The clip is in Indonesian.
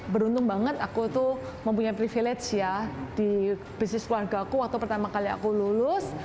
beruntung banget aku tuh mempunyai privilege ya di bisnis keluarga aku waktu pertama kali aku lulus